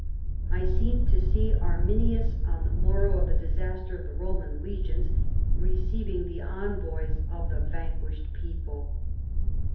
I seemed to see Arminius on the morrow of the disaster of the Roman legions, receiving the envoys of the van quished people."